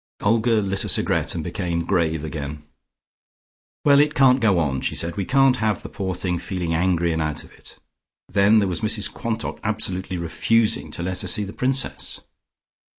Olga lit a cigarette and became grave again. "Well, it can't go on," she said. "We can't have the poor thing feeling angry and out of it. Then there was Mrs Quantock absolutely refusing to let her see the Princess."